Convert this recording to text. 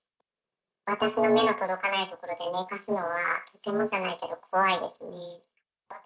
私の目の届かない所で寝かすのは、とてもじゃないけど怖いですね。